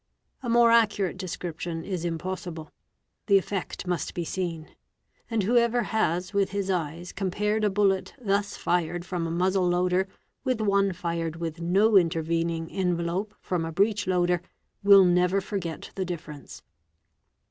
A more ~ accurate description is impossible, the effect must be seen: and whoever has with his eyes compared a bullet thus fired from a muzzle loader with one fired with no intervening envelope from a breech loader, will never forget the difference.